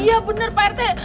iya bener pak rt